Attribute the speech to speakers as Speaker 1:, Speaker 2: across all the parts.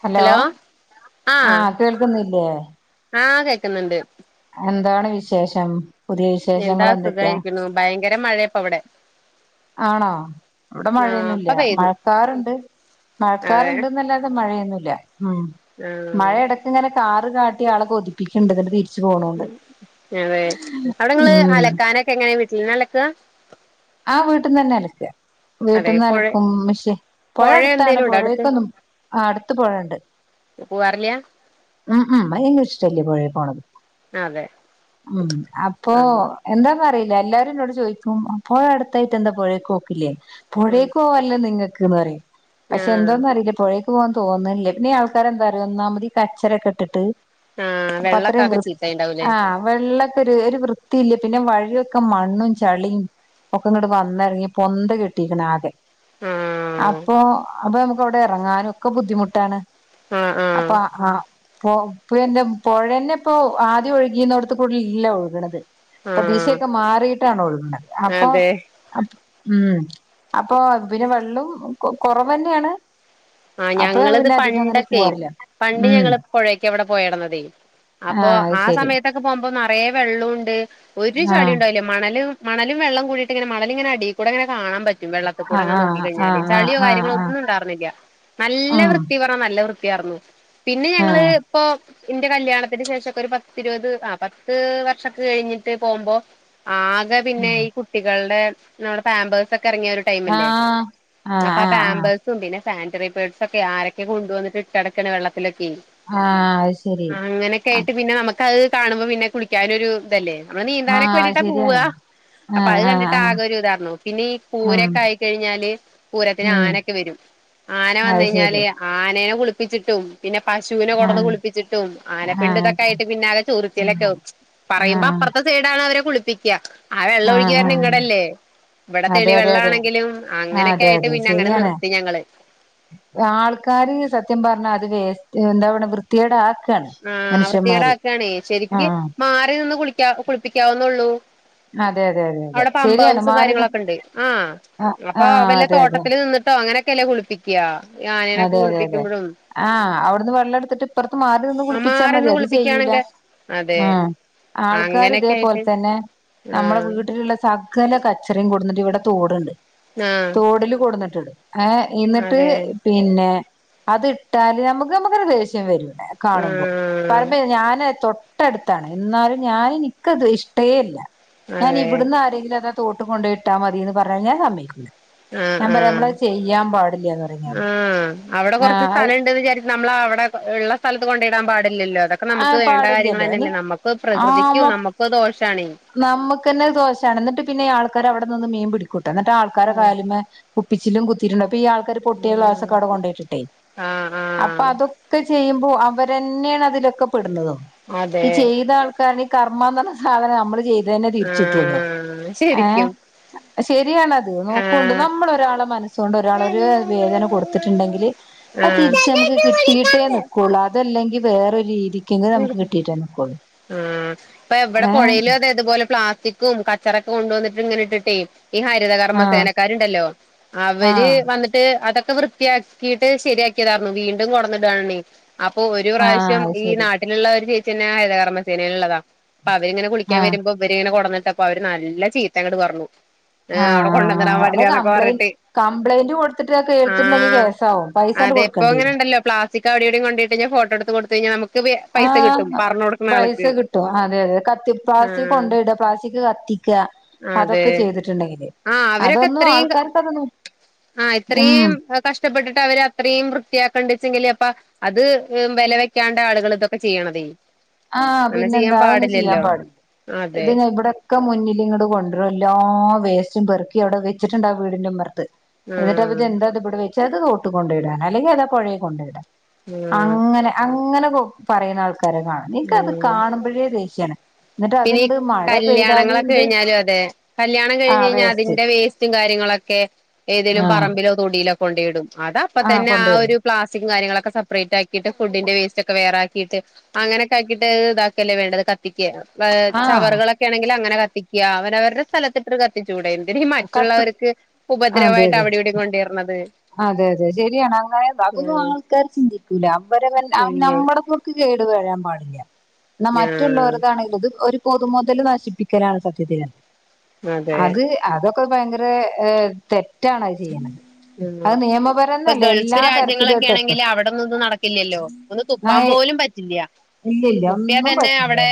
Speaker 1: Hello ആ കേൾക്കുന്നില്ലേ
Speaker 2: ആ കേക്കുന്നുണ്ട്
Speaker 1: എന്താണ് വിശേഷം പുതിയ വിശേഷങ്ങൾ
Speaker 2: എന്താ
Speaker 1: എന്തൊക്കെയാ
Speaker 2: സുഖായിരികുണു ഭയങ്കര മഴേ പവിടെ
Speaker 1: ആണോ ഇവിടെ
Speaker 2: ഇപ്പ
Speaker 1: മഴന്നൂല്യ
Speaker 2: പെയ്തു
Speaker 1: മഴക്കാറണ്ട്
Speaker 2: അതെ
Speaker 1: മഴക്കാറുണ്ടെന്നല്ലാതെ മഴയൊന്നുല്ല്യ മ്
Speaker 2: ആഹ്
Speaker 1: മഴ എടക്കങ്ങനെ [unintelligible] കാട്ടി ആളെ കൊടിപ്പിക്കിണ്ട് [unintelligible]
Speaker 2: അതെ അവിടെങ്ങള്
Speaker 1: ഉം
Speaker 2: അലക്കാനൊക്കെ എങ്ങനെ വീട്ടിന്നലക്ക
Speaker 1: ആ വീട്ടുന്നന്നെ അലക്ക്
Speaker 2: അതെ
Speaker 1: വീട്ടന്ന്
Speaker 2: പുഴ
Speaker 1: അലക്കും മിഷേ പുഴ അടുത്താണ്
Speaker 2: എന്തേലും ഉണ്ടോ അടുത്ത്
Speaker 1: പുഴേക്കൊന്നും ആ അടുത്ത് പുഴണ്ട്
Speaker 2: [unintelligible]
Speaker 1: ഉം ഉം [unintelligible]
Speaker 2: അതെ
Speaker 1: [unintelligible] ഉ അപ്പൊ
Speaker 2: ആഹ്
Speaker 1: എന്താ എന്ക്കേറില്ല എല്ലാരും എന്നോട് ചോയ്ക്കും പുഴ അടുത്തായിട്ട് എന്താ പുഴേക്ക് പോകില്ലേയ്
Speaker 2: ആഹ്
Speaker 1: പുഴേക്ക് പോകല്ലോ നിങ്ങക്ക് [unintelligible] പക്ഷെ
Speaker 2: ആഹ്
Speaker 1: എന്തന്നറിയില്ല പുഴ പോവാൻ തോന്നുന്നില്ല പിന്നെ ആൾക്കാരെന്തരിയോ ഒന്നാമത് ഈ കച്ചറൊക്കെ ഇട്ടിട്ട്
Speaker 2: ആഹ്
Speaker 1: അപ്പൊ
Speaker 2: വെള്ളൊക്കെ
Speaker 1: അത്രയും
Speaker 2: ആകെ
Speaker 1: വൃ
Speaker 2: ചീത്തയായിണ്ടാവൂലേ
Speaker 1: ആ വെള്ള ഒരു ഒരു വൃത്തിയില്ല. പിന്നെ വഴിയൊക്കെ മണ്ണും ചളീം ഒക്കെ ഇങ്ങോട്ട് വന്നെറങ്ങി, പൊന്ത കെട്ടിക്കാണ് ആകെ.
Speaker 2: ആഹ്
Speaker 1: അപ്പൊ അപ്പൊ അവിടെ ഇറങ്ങാനും ഒക്കെ ബുദ്ധിമുട്ടാണ്
Speaker 2: ഉം ഉം
Speaker 1: പോപ്പ എന്താ പുഴന്നെ ഇപ്പൊ ആദ്യം ഒഴുകീന്നോടത്ത് കൂടല്ല ഒഴുകണത് ഇപ്പൊ
Speaker 2: ആഹ്
Speaker 1: ദിശയൊക്കെ മാറീട്ടാണ് ഒഴുകുന്നത് അപ്പൊ
Speaker 2: അതെ
Speaker 1: ഉം അപ്പൊ പിന്നെ വെള്ളം കൊ കൊറവന്നെണ്
Speaker 2: ആ ഞങ്ങളത് പണ്ടൊക്കെ പണ്ട്
Speaker 1: ഉം
Speaker 2: ഞങ്ങള് പുഴക്ക് വിടെ പോയിടന്നതേ അപ്പൊ
Speaker 1: ആഹ് അത്
Speaker 2: ആ
Speaker 1: ശരി
Speaker 2: സമയത്തൊക്കെ പോകുമ്പോ നെറയെ വെള്ളൊണ്ട് ഒരു ചളി
Speaker 1: ആഹ്
Speaker 2: ഉണ്ടായില്ല മണലും മണലും വെള്ളം കൂടിയിട്ട് ഇങ്ങനെ മണലിങ്ങനെ അടീക്കൂടെ ഇങ്ങനെ കാണാം പറ്റും വെള്ളത്തി കൂടെങ്ങനെ വെള്ളത്തിക്കൂടെ
Speaker 1: ആഹ്
Speaker 2: ഇങ്ങനെ
Speaker 1: ആഹ്
Speaker 2: നോക്കിക്കഴിഞ്ഞാല്,
Speaker 1: ആഹ്
Speaker 2: ചളിയോ
Speaker 1: ആഹ്
Speaker 2: കാര്യങ്ങളോ
Speaker 1: ആഹ്
Speaker 2: ഒന്നും ഉണ്ടാർന്നില്ല. നല്ല
Speaker 1: ആഹ് ഉം
Speaker 2: വൃത്തി പറഞ്ഞാ നല്ല വൃത്തി പിന്നെ ഞങ്ങള്
Speaker 1: ആഹ്
Speaker 2: ഇപ്പൊ ഇന്റെ കല്യാണത്തിന് ഇന്റെ കല്യാണത്തിന് ശേഷോക്കെ, ഒരു പത്തിരുപത്, ആ പത്ത് വർഷൊക്കെ കഴിഞ്ഞിട്ട് പോകുമ്പോ ആകെ പിന്നെ
Speaker 1: ഉം
Speaker 2: ഈ കുട്ടികൾടെ നമ്മുടെ പാംമ്പേഴ്സൊക്കെ ഇറങ്ങിയ ഒരു ടൈംല്ലേ
Speaker 1: ആഹ് ആഹ്
Speaker 2: അപ്പൊ ആ
Speaker 1: ആഹ് ആഹ്
Speaker 2: പാമ്പേഴ്സും പിന്നെ സാനിറ്ററി പേഡ്സ് ഒക്കെ ആരൊക്കെ കൊണ്ടു വന്നിട്ട് ഇട്ട്ടക്കുന്നത് വെള്ളത്തിലൊ ഉം.
Speaker 1: ആഹ് അത് ശരി
Speaker 2: അങ്ങനെയൊക്കെ
Speaker 1: ആഹ്
Speaker 2: ആയിട്ട് പിന്നെ നമുക്ക് അത് കാണുമ്പോ പിന്നെ കുളിക്കാനൊരു ഇതല്ലേ. മ്മള് നീന്താനൊക്കെ
Speaker 1: അത്
Speaker 2: വേണ്ടീട്ടാ
Speaker 1: ശരിയാണ്
Speaker 2: പോവാ അപ്പൊ അത്
Speaker 1: ആഹ് ആഹ് ആഹ്
Speaker 2: കണ്ടിട്ടാആകെ ഒരിതാരുന്നു പിന്നെ ഈ
Speaker 1: ഉം
Speaker 2: പൂരൊക്കെ ആയിക്കഴിഞ്ഞാല് പൂരത്തിന്
Speaker 1: ഉം
Speaker 2: ആനൊക്കെ വരും ആന വന്ന
Speaker 1: അത്
Speaker 2: കഴിഞ്ഞാല്
Speaker 1: ശരി
Speaker 2: ആനേനെ കുളിപ്പിച്ചിട്ടും പിന്നെ പശുവിനെ കൊടന്ന് പിന്നെ പശൂനെ കൊടുന്ന്‌
Speaker 1: ആഹ്
Speaker 2: കുളിപ്പിച്ചിട്ടും,
Speaker 1: ആഹ്
Speaker 2: ആനപ്പിണ്ടതൊക്കെയായിട്ടൊക്കെ പിന്നെ ആകെ ചൊറിച്ചിലാവും പറയുമ്പോ
Speaker 1: ആഹ്
Speaker 2: അപ്പുറത്തെ സൈഡിലാണവരെ കുളിപ്പിക്ക, ആവെള്ളം ഒഴുകി
Speaker 1: ആഹ് ആഹ്
Speaker 2: വരുന്നതിങ്ങടല്ലേ. ഇവിടെ
Speaker 1: അതെ അതെ അതെ
Speaker 2: തെളിവെള്ളാണെങ്കിലും
Speaker 1: ആഹ്
Speaker 2: അങ്ങനെയൊക്കെ
Speaker 1: അതെ
Speaker 2: ആയിട്ട്
Speaker 1: അതെ
Speaker 2: പിന്നെ അങ്ങനെ
Speaker 1: ശരിയാണ്
Speaker 2: നിർത്തി ഞങ്ങള്
Speaker 1: ആൾക്കാര് സത്യം പറഞ്ഞാല് അത് വേസ്റ്റ് എന്താ അവ്ടെ വൃത്തേടാ
Speaker 2: ആ വൃത്തിേടാക്കാണെ, ശരിക്ക്
Speaker 1: ആഹ്
Speaker 2: മാറി നിന്ന് കുളിക്ക കുളിപ്പിക്കാവുന്നുള്ളൂ.
Speaker 1: അതെ അതെ അതെ അതെ
Speaker 2: അവിടെ പമ്പ
Speaker 1: ശരിയാണ്
Speaker 2: ഹൗസും
Speaker 1: മാറുന്നു
Speaker 2: കാര്യങ്ങളൊക്കെ ഇണ്ട് ആ
Speaker 1: ആഹ്
Speaker 2: അപ്പൊ
Speaker 1: ആഹ്
Speaker 2: വല്ല
Speaker 1: അതെ അതെ
Speaker 2: തോട്ടത്തില് നിന്നിട്ടോ അങ്ങനെെ കല കുളിപ്പിക്കുക ആനേനൊക്കെ
Speaker 1: അതെ അതെ അതെ
Speaker 2: കുളിപ്പിക്കുമ്പോഴും
Speaker 1: ആ അവിടന്ന് വെള്ളം എടുത്തിട്ട് ഇപ്പറ്ത്ത് മാറി ട്ടിൽ നിന്ന്
Speaker 2: ആ
Speaker 1: കുളിപ്പിച്ചാ മതി
Speaker 2: മാറിന്ന്
Speaker 1: അത് ചെയ്യൂല
Speaker 2: കുളിപ്പിക്കുകയാണെങ്കി അതെ
Speaker 1: ഉം ആൾക്കാർ
Speaker 2: അങ്ങനെയൊക്കെ
Speaker 1: ഇതേപോലെ
Speaker 2: ആയിട്ട്
Speaker 1: തന്നെ നമ്മുടെ
Speaker 2: ആഹ്
Speaker 1: വീട്ടിലുള്ള സകല കച്ചറയും കൊട്ന്നിട്ട് ഇവിടെ തോടുണ്ട്
Speaker 2: ആഹ്
Speaker 1: തോടില് കൊടുന്നിട്ടിണ്ട് ഏ ഇന്നിട്ട്
Speaker 2: അതെ
Speaker 1: അത്ട്ടാല് നമുക്ക് നമുക്കൊരു ദേഷ്യം വരും കാണുമ്പോ
Speaker 2: ആഹ്
Speaker 1: പറയുമ്പോ ഞാന് തൊ തൊട്ടടുത്താണ്, ഇന്നാലും ഞാന് എനിക്കത് ഇഷ്ടേല്ല. ഞാന്
Speaker 2: അതെ
Speaker 1: ഇവിടുന്ന് ആരെങ്കിലും അത് തോട്ടുമ്മല് കൊണ്ടിട്ടാ മതീന്ന് പറഞ്ഞാ ഞാൻ സമ്മയിക്കൂല്ല
Speaker 2: ആഹ്
Speaker 1: ഞാൻ പറയാ നമ്മളത് ചെയ്യാൻ പാടില്ലാന്ന് പറയും ഞാന്
Speaker 2: ഉം അവിടെ കൊറച്ച്
Speaker 1: ആഹ്
Speaker 2: സ്ഥലണ്ടന്ന് വിചാരിച്ച് നമ്മളവിടെ ഇള്ള സ്ഥലത്ത് കൊണ്ടോയിടാൻ പാട അല്ലല്ലോ അതൊക്കെ നമുക്ക്
Speaker 1: ആഹ്
Speaker 2: വേണ്ട കാര്യങ്ങൾ
Speaker 1: പാടില്ലല്ലോ ഇനി
Speaker 2: തന്നെല്ലേ നമുക്ക് പ്രകൃതിക്കും നമുക്കും ദോശാണേ
Speaker 1: നമ്മകന്നെ ദോശാണ് ഇന്നിട്ട് പിന്നെ ആൾ ആൾക്കാര് അവിടെ നിന്ന് മീൻ പിടിക്കൂട്ട. എന്നിട്ട് ആൾക്കാരെ
Speaker 2: ഉം
Speaker 1: കാലുമ്മ കുപ്പിചില്ലും കുത്തിട്ടു ഈ ആൾക്കാര് പൊട്ടിയ
Speaker 2: ഉം
Speaker 1: ഗ്ലാസ്സൊക്കവിടെ കൊണ്ടയിട്ടിട്ടേ
Speaker 2: ആഹ്
Speaker 1: അപ്പൊ
Speaker 2: ആഹ്
Speaker 1: അതൊക്കെ ചെയ്യുമ്പ അവരെന്നെണ് അതിലൊക്കെ പെട്ണതും ഈ
Speaker 2: അതെ
Speaker 1: ചെയ്ത ആൾക്കാര കർമാന്ന് പറഞ്ഞ സാധനം നമ്മള് ചെയ്തതന്നെ തിരിച്ചിട്ടുള്ളു
Speaker 2: ആഹ് ശരിക്കും
Speaker 1: ശരിയാണത്, നോക്കൊണ്ട്
Speaker 2: ആഹ്
Speaker 1: നമ്മലൊരാളെ മനസ്സോണ്ട് ഒരാളെ ഒരു
Speaker 2: ആഹ്
Speaker 1: വേദന കൊടുത്തിട്ടുണ്ടെങ്കില് അത്
Speaker 2: ആഹ്
Speaker 1: തിരിച്ച് നമുക്ക് കിട്ടിയിട്ടേ നിക്കുള്ളൂ. അതല്ലെങ്കി വേറൊരു രീതി
Speaker 2: ഉം ഇപ്പൊ ഇവിടെ
Speaker 1: ഏഹ്
Speaker 2: പുഴയിലും അതെ ത് പ്ലാസ് ചിക്കും കച്ചറൊക്കെ കൊണ്ടുവന്നിട്ടിങ്ങനെ ഇട്ടിട്ടേ ഈ ഹരിതകർമ്മ
Speaker 1: ആഹ്
Speaker 2: സേനക്കാരുണ്ടല്ലോ, അവര്
Speaker 1: ആഹ്
Speaker 2: വന്നിട്ട് അതൊക്കെ വൃത്തിയാക്കിയിട്ട് ശരിയാക്കിയതാർന്നു. വീണ്ടും കൊടന്നിടണേ അപ്പൊ ഒരു
Speaker 1: ആഹ്
Speaker 2: പ്രാവശ്യം
Speaker 1: അത്
Speaker 2: ഈ
Speaker 1: ശരി
Speaker 2: നാട്ട ള്ള ഒരു ചേച്ചിന്നെ ഹരിതകർമ്മസേനലുള്ളതാ അപ്പഅവരിങ്ങനെ കുളിക്കാൻ
Speaker 1: ആഹ്
Speaker 2: വരുമ്പോ ഇവര് ഇങ്ങനെ കൊട പ്പൊ അവര് നല്ല ചീത്തങ്ങട്ട് പറഞ്ഞു
Speaker 1: ആ
Speaker 2: ഏഹ് അവിടെ
Speaker 1: ആ
Speaker 2: കൊണ്ടന്നിടാൻ
Speaker 1: അയിന്
Speaker 2: പാടില്ലാന്നൊക്കെ
Speaker 1: കംപ്ലയിന്റ്
Speaker 2: പറഞ്ഞിട്ട്
Speaker 1: കംപ്ലയിന്റ് കൊടുത്തിട്ട് അത് തീർത്തിട്ടുണ്ടെങ്കി അത് കേസാവുംപൈസ
Speaker 2: അതെപ്പോ അങ്ങന ഉണ്ടല്ലോ പ്ലാസ്റ്റിക് അവിടെവിയും കൊണ്ടെട്ടു കഴിഞ്ഞി ഫോട്ടോടുതത്ത് കൊടുത്ത് കഴിഞ്ഞാൽ നമു
Speaker 1: ആ പൈസ കിട്ടും അതെ അതെ കത്തി പ്ലാസ്റ്റിക്
Speaker 2: ആഹ്
Speaker 1: കൊണ്ടേയിട പ്ലാസ്റ്റിക് കത്തിക്യ
Speaker 2: അതെ
Speaker 1: അതൊക്കെ ചെയ്തിട്ടുണ്ടെങ്കില് അതൊന്നും ആൾക്കാർക്ക് അതൊന്നും
Speaker 2: ആ
Speaker 1: ഉം
Speaker 2: ഇത്രയും കഷ്ടപ്പെട്ടിട്ട് അവര് അത്രെയും വൃത്തിയാക്കണ്ട ച്ചെങ്കിൽ അപ്പ അത് വെലവെക്കാണ്ട ആളുകൾ ഇതൊക്കെ ചെയ്യണതെയ്
Speaker 1: ആ പിന്നെന്താ അഒന്നും ചെയ്യാൻ പാടില്ല
Speaker 2: അതെ
Speaker 1: ഇതിനു വിടെക്കെ മുന്നിൽ ഇങ്ങട് കൊണ്ടാറുളല്ലാ വേസ്റ്റും പെറുക്കി അവിടെ വെച്ചിട്ടുണ്ടാ വീടിന്റെ ഉമ്മറത്ത്
Speaker 2: ആഹ്
Speaker 1: എന്നിട്ട് എന്താ ഇവിടെ വെ ചിലത് തൊട്ട് കൊണ്ടേ ഇട അല്ലെങ്കിൽ പുഴയെ കൊണ്ടഇടാ
Speaker 2: ആഹ്
Speaker 1: അങ്ങനെ അങ്ങനെ പറയുന്ന ആൾക്കാരെ കാണാം നിക്ക്ത്
Speaker 2: ഉം
Speaker 1: കാണുമ്പോഴേ ദേഷ്യാണ് എന്നിട്ട് അത്
Speaker 2: പിന്നെ
Speaker 1: ഇങ്ങട് മഴ പെയ്താല്
Speaker 2: കല്യാണങ്ങളൊക്കെ
Speaker 1: ഇങ്ങട്
Speaker 2: കഴിഞ്ഞാലും അതെ കല്യാണം കഴിഞ്ഞ്
Speaker 1: ആഹ്
Speaker 2: കഴിഞ്ഞാൽ
Speaker 1: വേസ്റ്റ്
Speaker 2: അതിന്റെ വേസ്റ്റും കാര്യങ്ങള നിങ്ങളൊക്കെ
Speaker 1: ആഹ്
Speaker 2: ഏതെങ്കില്പറമ്പിലെ തൊടിയിലൊ കൊണ്ടേ ഇടും അത്
Speaker 1: ആഹ്
Speaker 2: അപ്പത്തന്നെ ആ
Speaker 1: കൊണ്ടോയിടും
Speaker 2: ഒരു പ്ലാസ്റ്റിക് കാര്യങ്ങളൊക്കെ സപ്പറേറ്റ ആക്കിട്ട് ഫുഡിന്റെ വേസ്റ്റ് ഒക്കെ വേറാക്കിയിട്ട് അങ്ങനെയൊക്കെ ആക്കിയിട്ട് ഇതാക്കല്ലേ വേണ്ടത് കത്തിക്ക്
Speaker 1: ആഹ്
Speaker 2: ചവറുകളൊക്കെ ആണെങ്കിൽ അങ്ങനെ കത്തി കത്തിക്ക അവൻഅവരുടെ സ്ഥലത്തിട്ട് കത്തി ച്ചുടെ എന്തിനും
Speaker 1: കത്തി
Speaker 2: മറ്റുള്ളവർക്ക്
Speaker 1: അതെ
Speaker 2: ഉപദ്രവായിട്ട്
Speaker 1: അതെ
Speaker 2: അവിടെ ഇവിടെയും കൊണ്ടുവരന്നത്
Speaker 1: അതെ അതെ ശരിയാണ് അങ്ങനെ അതൊന്നും ആൾക്കാര് ചിന്തിക്കൂല അവരെ
Speaker 2: ഇല്ല
Speaker 1: നമ്മുടെ പേർക്ക് ട് വരാൻ പടില്ല എന്ന
Speaker 2: ആഹ്
Speaker 1: മറ്റുള്ളവർക്കാണ് ഇത് പൊതുമുതല് നശിപ്പിക്കലാണ് സത്യത്തില്
Speaker 2: അതെ
Speaker 1: അത് അതൊക്കെ ഭയങ്കര ത് തെറ്റാണ് അത് ചെയ്യണേ അത് നിയമപരമായി
Speaker 2: ഇപ്പൊ ഗൾഫ് രാജ്യങ്ങളൊക്കെ ആണെങ്കിൽ അവിടിതൊന്നും നടക്കില്ലല്ലോ ഒന്ന്
Speaker 1: ആ
Speaker 2: തുപ്പാൻ പോലും പറ്റില്ല തുപ്പിയാ തന്നെ അവിടെ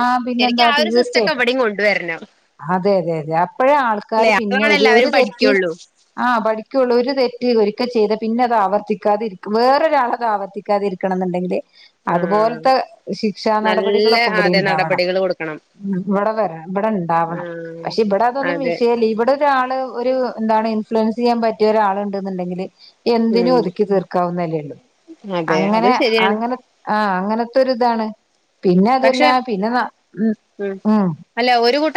Speaker 1: ആഹ്
Speaker 2: ശരിക്ക് ആ ഒരു സിസ്റ്റം ഒക്കെ ഇവിടയും കൊണ്ടുവരണം
Speaker 1: അതെതെ അതെ അപ്പഴേ
Speaker 2: അല്ലെ
Speaker 1: ആൾക്കാര് പിന്നെ
Speaker 2: അപ്പളാണ്
Speaker 1: ഒരു ഒരു
Speaker 2: എല്ലാവരും
Speaker 1: തെറ്റ്
Speaker 2: പഠിക്കുള്ളൂ
Speaker 1: ആ പഠിക് ള്ളൂ ഒരു തെറ്റ്ഒരിക്ക ചെയ്ത പിന്നെ അത് ആവർത്തിക്കാതെരിക്കുള്ള വേറൊരാളത് ആവർത്തിക്കാതി ഇരിക്കണം എന്നുണ്ടെങ്കില്
Speaker 2: ആഹ്
Speaker 1: അതുപോലത്തെ ശിക്ഷാ
Speaker 2: നല്ല
Speaker 1: നടപടികളൊക്കെ ഇവിടെ
Speaker 2: അതെ
Speaker 1: ഉണ്ടാവണം
Speaker 2: നടപടികൾ കൊടുക്കണം
Speaker 1: ഇവിടെ വര ഇവിടെ ഇണ്ടാവണം
Speaker 2: ആഹ്
Speaker 1: പക്ഷെ ഇവിടെ അതൊന്നും
Speaker 2: അതെ
Speaker 1: വിഷയല്ല ഇവിടെ ഒരാള് ഒരു എന്താണ് ഇൻഫ്ലുവൻസ് ചെയ്യാൻ പറ്റിയ ഒരാളുണ്ടെന്നുണ്ടെങ്കില് എന്തിനും
Speaker 2: ഉം
Speaker 1: ഒതുക്കി തീർക്കാവുന്നതല്ലേ ഉള്ളൂ
Speaker 2: അതെ അത്
Speaker 1: അങ്ങനെ
Speaker 2: ശരിയാണ്
Speaker 1: അങ്ങനെ ആ അങ്ങനത്തെരു ഇതാണ് പിന്നെ അതല്ല
Speaker 2: പക്ഷെ
Speaker 1: പിന്നെ ന ഉ ഉം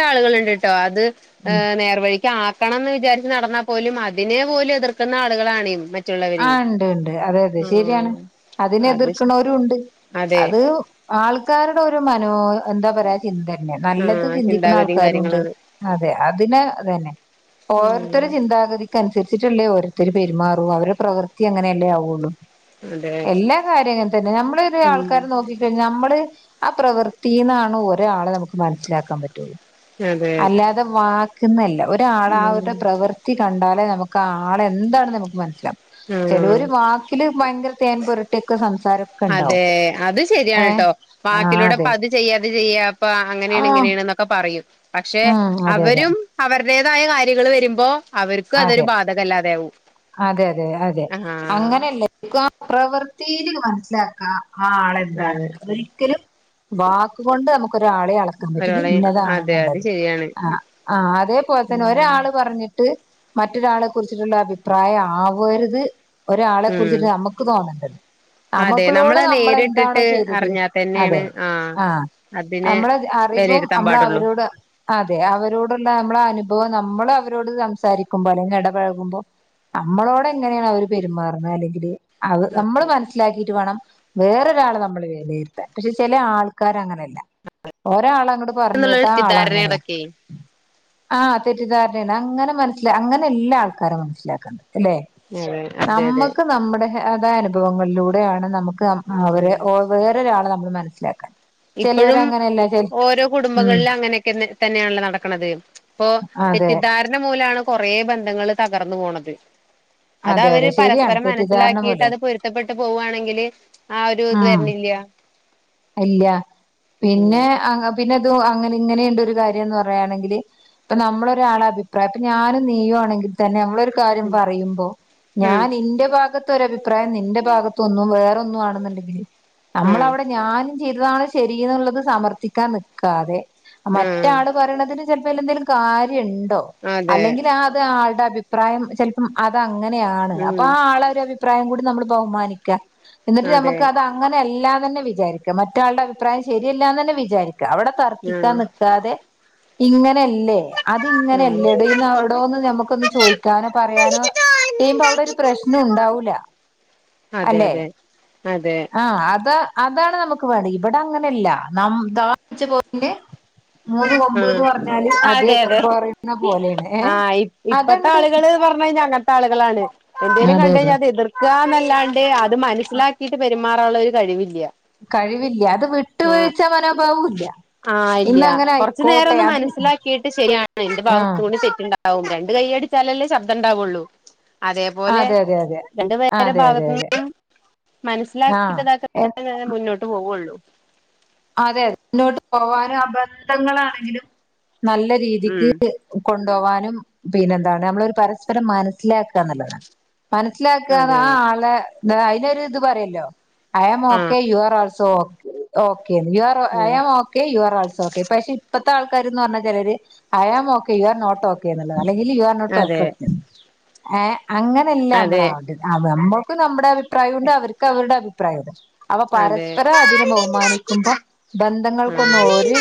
Speaker 2: ആളുകൾുണ്ട് കേട്ടോ അത്
Speaker 1: ഉം
Speaker 2: നേർവഴി ആക്കണംന്ന് വിചാരിച്ച് നടന്നാൽ പോലും അതിനെ പോലും എതിർക്കുന്ന ആളുകളാണ്
Speaker 1: ആ
Speaker 2: മറ്റുള്ളവര്
Speaker 1: ഉണ്ട് ഉണ്ട് അതെ അതെ ശരിയാണ് അതിന
Speaker 2: ആഹ് അത്
Speaker 1: എതിർക്കണവരും ഉണ്ട്
Speaker 2: അതെ
Speaker 1: അത് ആൾക്കാരുടെ ഒരു മനോ എന്താ പറയാ ചിന്ത തന്നെ നല്ലത്
Speaker 2: ആഹ്
Speaker 1: ചിന്തിക്കുന്ന
Speaker 2: ചിന്താഗതിയും
Speaker 1: ആൾക്കാരും ഉണ്ട്
Speaker 2: കാര്യങ്ങളാണ്
Speaker 1: അതെ അതിനെ അതന്നെ
Speaker 2: ഉം
Speaker 1: ഓരോത്തരു ചിന്താഗതിക്ക് അനുസരിച്ചിട്ടുള്ളേ ഓരോത്തര് പെരുമാറൂ അവടെ പ്രവൃത്തി അങ്ങനെയ അല്ലേ ആവുള്ളു
Speaker 2: അതെ
Speaker 1: എല്ലാ കാര്യങ്ങളങ്ങന തന്നെ നമ്മൾന്നെഒരു
Speaker 2: ഉം
Speaker 1: ആൾക്കാര് നോക്കിക്കഴിഞ്ഞാൽ അമ്മള് ആ പ്രവൃത്തിന്നാണ് ഒരാളെ നമുക്ക് മനസ്സിലാക്കാൻ പറ്റള്ളു
Speaker 2: അതെ
Speaker 1: അല്ലാതെ വാക്കുന്നെല്ല ഒരാള്
Speaker 2: ഉം
Speaker 1: അവരുടെ പ്രവൃത്തി കണ്ടാ നമുക്ക് ആളെ എന്താണ് നമുക്ക് മനസ്സിലാവും
Speaker 2: ആഹ്
Speaker 1: ചെലവര് വാക്കില് ഭയങ്കര തേൻ പുരട്ടിക്കെ സംസാ
Speaker 2: അതെ അത് ശരിയാണ് കേട്ടോ
Speaker 1: ആഹ്
Speaker 2: ബാക്കിലൂടെഇപ്പ
Speaker 1: അതെ
Speaker 2: അത് ചെയ്യാഇത് ചെയ്യാ ഇപ്പഅങ്ങനെയാണ്
Speaker 1: ആഹ്
Speaker 2: ഇങ്ങനെയാണ് എന്നൊക്കെ പറയും പക്ഷെ
Speaker 1: ഉം അതെ അതെ
Speaker 2: അവരും അവർ [unintelligible] കാര്യങ്ങൾ വരുമ്പോ അവർക്കും അതൊരു
Speaker 1: അതെ
Speaker 2: ബാധകല്ലാതാവും
Speaker 1: അതെ അതെ അതെ
Speaker 2: ആഹ്
Speaker 1: അങ്ങനെയല്ല ക്ലാ പ്രവൃത്തിയിൽ മനസ്സിലാക്കും ആ
Speaker 2: അതെ
Speaker 1: ആളെന്താണെന്ന് ഒരിക്കലും വാക്ക് കൊണ്ട് നമുക്കൊരാളെ അളക്കാൻ പറ്റില്ല
Speaker 2: ഒരാളെ
Speaker 1: ഇന്നതാണ്
Speaker 2: അതെ
Speaker 1: എന്നു
Speaker 2: അത്
Speaker 1: ള്ളത്
Speaker 2: ശരിയാണ്
Speaker 1: ആ ആ അതെപോലെ തന്നെ
Speaker 2: ഉം
Speaker 1: ഒരാള്പറഞ്ഞിട്ട് മറ്റൊരാളെ കുറിച്ചിട്ടുള്ള അഭിപ്രായം ആവരുത് ഒരാളെ
Speaker 2: ഉം
Speaker 1: കുറിച്ചിട്ട് നമുക്ക് തോന്നണ്ടത്
Speaker 2: അതെ
Speaker 1: നമുക്കളോട്
Speaker 2: നമ്മളത്
Speaker 1: നമ്മളെന്താണോ
Speaker 2: നേരിട്ടിട്ട്
Speaker 1: ചെയ്തത്
Speaker 2: അറിഞ്ഞാ തന്നെയാണ്
Speaker 1: അതെ
Speaker 2: ആഹ്
Speaker 1: ആ
Speaker 2: അതിനെ
Speaker 1: അമ്മളെ അറിവും
Speaker 2: വിലയിരുത്താൻ
Speaker 1: ആമ്മളെ
Speaker 2: പാടുള്ളൂ
Speaker 1: അവരോട് അതെ അവരോടുള്ള അമ്മളെ അനുഭവം നമ്മള് അവരോട് സംസാരിക്ക ക്കും പോലെ ഇടപഴകുമ്പോ നമ്മളോടെ എങ്ങനെയാണ് അവര് പെരുമാറുന്നത് അല്ലെങ്കിൽ അ നമ്മൾ മനസ്സിലാക്കിട്ട് വേണം വേറൊരാളെ നമ്മൾ വിലയിരുത്താന്‍ പക്ഷെ ചില ആൾക്കാര് അങ്ങനെയല്ല ഒരാൾ അങ്ങോട്ട് പറഞ്ഞു കേട്ട്
Speaker 2: എന്നുള്ളൊരു
Speaker 1: ആ ആള് അങ്ങനെയാ
Speaker 2: തെറ്റിദ്ധാരണകളൊക്കെ
Speaker 1: ആ തെറ്റിദ്ധാരണയാണ് അങ്ങനെ മനസ്സില അങ്ങനെ അല്ലാ ആൾക്കാരെ മനസ്സിലാക്കേണ്ടത്
Speaker 2: [unintelligible]
Speaker 1: നമ്മുക്ക് നമ്മുടെ അതായ അനുഭവങ്ങളിലൂടെയാണ് നമുക്ക് അവരെ
Speaker 2: ഉം
Speaker 1: വേറൊരാളെ നമ്മൾ മനസിലാക്കേണ്ടത് ചെലോര്
Speaker 2: ഇപ്പഴും
Speaker 1: അങ്ങനെയല്ല
Speaker 2: ഓരോ
Speaker 1: ഉം
Speaker 2: കുടുംബങ്ങളിലും അങ്ങനെയൊക്കെ തന്നെയാണല്ലോ നടക്കന്നത് ഇപ്പോ
Speaker 1: അതെ
Speaker 2: തെറ്റിദ്ധാരണ മൂലമാണ് കൊറെ ബന്ധങ്ങൾ തകർന്നു പോണത്
Speaker 1: അതെ
Speaker 2: അതവര്
Speaker 1: അതെ ശരിയാണ്
Speaker 2: പരസ്പരം
Speaker 1: തെറ്റിദ്ധാരണ
Speaker 2: മനസ്സിലാക്കിട്ട്
Speaker 1: മൂലം
Speaker 2: അത് പൊരുത്തപ്പെട്ടു പോവുവാണെങ്കില് ആ ഒരു ഇത്
Speaker 1: ഉം
Speaker 2: വരണില്ല്യ
Speaker 1: ഇല്ല പിന്നെ ആ പിന്നെ [unintelligible] അങ്ങനെ ഇങ്ങനെയുണ്ട് ഒരു കാര്യന്ന് പറയാണെങ്കിൽ ഇപ്പം നമ്മള് ഒരാളെ അഭിപ്രായം ഇപ്പം ഞാനും നീയുവാണെങ്കിൽ [unintelligible] തന്നെ നമ്മളൊരു കാര്യം പറയുമ്പോ ഞാൻ
Speaker 2: ഉം
Speaker 1: നിന്റെ ഭാഗത്ത് ഒരു അഭിപ്രായം നിന്റെ ഭാഗത്തൊന്നും വേറൊന്നും ആണെന്നുണ്ടെങ്കില്‍
Speaker 2: ആഹ്
Speaker 1: നമ്മളവിടെ [unintelligible] ഞാന്‍ ചെയ്തതാണ് ശരി എന്നുള്ളത് സമര്‍ത്ഥിക്കാന്‍ നിക്കാതെ
Speaker 2: ആഹ്
Speaker 1: മറ്റാൾ പറയുന്നതിൽ ചിലപ്പോന്തെങ്കിലും കാര്യണ്ടോ
Speaker 2: അതെ
Speaker 1: അല്ലെങ്കിൽ ആ അത് ആളുടെ അഭിപ്രായം ചിലപ്പം അത അങ്ങനെയാണ് അപ്പോ
Speaker 2: ഉം
Speaker 1: ആ ആളളരു അഭിപ്രായം കൂടി നമ്മൾ ബഹുമാനിക്കുക എന്നിട്ട്
Speaker 2: അതെ
Speaker 1: നമുക്ക് അത് അങ്ങനെല്ല [unintelligible] വിചാരിക്ക മറ്റാളുടെ അഭിപ്രായം ശരിയല്ലാന്ന് തന്നെ വിചാരിക്ക അവിടെ തർക്കിക്കാൻ
Speaker 2: ആഹ്
Speaker 1: നിൽക്കാതെ ഇങ്ങനെയല്ലേ അതിങ്ങനെ
Speaker 2: ഉം
Speaker 1: എല്ലടെന്ന് അവിടോന്ന് നമുക്ക് ഒന്ന് ചോദിക്കാനോ പറയാനോ [unintelligible] ഒരു പ്രശ്നണ്ടാവൂല
Speaker 2: അതെ അതെ അതെ
Speaker 1: ആ അതാ അതാണ് നമുക്ക് [unintelligible] ഇവിടെ അങ്ങനെയല്ല [unintelligible] മൂന്ന്
Speaker 2: ആഹ്
Speaker 1: കൊമ്പ്ന്ന് പറഞ്ഞാൽ
Speaker 2: അതെ
Speaker 1: അതൊക്കെ
Speaker 2: അതെ
Speaker 1: പറയുന്ന പോലെയാണ് ഏ
Speaker 2: ആഹ് ഇ ഇപ്പത്തെ
Speaker 1: അതങ്ങോട്ട്
Speaker 2: [unintelligible] അങ്ങനത്തെ ആളുകളാണ് എന്തെങ്കിലും കണ്ട്
Speaker 1: അതെ
Speaker 2: കഴിഞ്ഞാല്‍ അത് എതിര്‍ക്ക [inaudible] [unintelligible] അത് മനസ്സിലാക്കിയിട്ട് പെരുമാറാനുള്ള ഒരു കഴിവില്ല
Speaker 1: കഴിവില്ല അത്
Speaker 2: ആഹ്
Speaker 1: വിട്ടുവീഴിച്ച മനോഭാവവും ഇല്ല ഇന്നങ്ങനെ
Speaker 2: കുറച്ച് നേരന്ന് മനസ്സിലാക്കിട്ട് ശരിയാണ് എന്റെ ഭാഗത്ത്
Speaker 1: ആഹ്
Speaker 2: കൂടി തെറ്റുണ്ടോ [unintelligible] രണ്ട് കൈ അടിച്ചാലല്ലേ ശബ്ദം ഉണ്ടാവുള്ളൂ അതേപോലെ
Speaker 1: അതെ അതെ അതെ
Speaker 2: രണ്ട്
Speaker 1: ആഹ്
Speaker 2: പേരെ
Speaker 1: അതെ അതെ
Speaker 2: ഭാഗത്തു
Speaker 1: അതെ
Speaker 2: നിന്നും
Speaker 1: ആഹ്
Speaker 2: മനസ്സിലാക്കിട്ട [unintelligible] മുന്നോട്ട് പോവുള്ളൂ
Speaker 1: അതെ അതെ മുന്നോട്ട് പോവാനും അ ഞങ്ങളാണെങ്കിലും നല്ല രീതിക്ക്
Speaker 2: ഉം
Speaker 1: കൊ ണ്ടോവാനും പിന്നെ എന്താണ് നമ്മളൊരു പരസ്പരം മനസ്സിലാക്കുക എന്നുള്ളതാണ്. മനസ്സിലാക്കാ
Speaker 2: അതെ
Speaker 1: ആ ആളെ അതിനൊരു ഇത് പറയല്ലോ അയാം
Speaker 2: ആ
Speaker 1: okay you are all [inaudible] oh okay [unintelligible] also okay പക്ഷെ ഇപ്പ [unintelligible] ആൾക്കാരന്ന് പറഞ്ഞാ ചിലര് I am okay you are not okay എന്നുള്ളതാ അല്ലെങ്കിൽ യു ആർ നോട്ട
Speaker 2: അതെ
Speaker 1: പെർഫെക്റ്റ് ഏഹ് അങ്ങനെയല്ല നമ്മള
Speaker 2: അതെ
Speaker 1: [unintelligible] [unintelligible] നമ്മുടെ അഭിപ്രായമുണ്ട് അവർക്ക് അവരുടെ അഭിപ്രായണ്ട് അപ്പോ പരസ്പരം അതിനെ ബഹുമാനി ക്കുമ്പോ
Speaker 2: അതെ
Speaker 1: ബന്ധങ്ങൾക്കൊന്നും ഒരു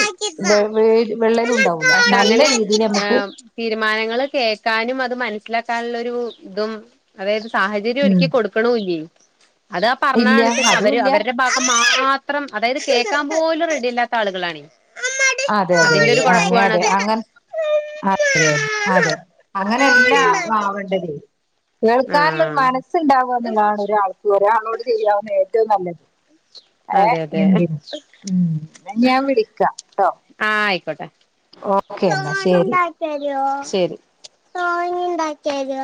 Speaker 1: വെള്ളൽ ഉണ്ടാവൂല
Speaker 2: പക്ഷെ
Speaker 1: നല്ല
Speaker 2: അങ്ങനെ
Speaker 1: രീതിൽ നമക്ക് [unintelligible]
Speaker 2: [unintelligible] തീരുമാനങ്ങൾ കേൾക്കാനും അത് മനസ്സി മനസ്സിലാക്കാനുള്ള ഒര് ഇതും അതായത് സാഹചര്യം
Speaker 1: ഉം
Speaker 2: ഒരുക്കി കൊടുക്ക് ണൂല്ലേ അതാ
Speaker 1: ഇല്ല
Speaker 2: പറഞ്ഞണെങ്ക
Speaker 1: അതും
Speaker 2: അവര്
Speaker 1: ഇല്ല
Speaker 2: അവരുടെ ഭാഗം [unintelligible] മാത്രം അതായത് കേൾക്കാൻ പോലും റെഡിയില്ലാത്ത ആളുകളാണെ
Speaker 1: അതെ അതെ അതെ അങ്ങെ അതെ അങ്ങെ [unintelligible] അങ്ങനെയല്ലാ
Speaker 2: ഉം
Speaker 1: ആവണ്ടത് കേൾക്കാറുള്ളൊ ഒരു മനസ്സുണ്ടാവുക എന്നുള്ളതാണ് ഒരാൾക്ക് ഒരാളോട് ചെയ്യാവുന്ന ഏറ്റവും നല്ലത്.
Speaker 2: ആഹ്
Speaker 1: ഏഹ്
Speaker 2: അതെ അതെ
Speaker 1: എന്തിന് ഉം ന്ന ഞാൻ വിളിക്കാം ട്ടോ
Speaker 2: ആ ആയിക്കോട്ടെ
Speaker 1: ഓക്കെ ന്ന ശരി
Speaker 2: ശരി ആ [unintelligible] ഇണ്ടാക്കിയ രൂ